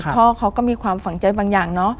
พ่อเขาก็มีความฝังใจบางอย่างเนอะ